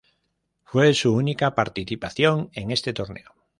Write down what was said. Fue su única participación en este torneo.